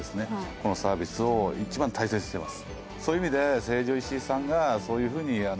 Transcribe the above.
このサービスを一番大切にしてます